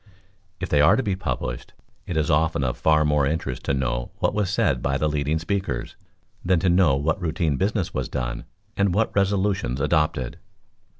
If they are to be published, it is often of far more interest to know what was said by the leading speakers, than to know what routine business was done, and what resolutions adopted.